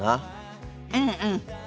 うんうん。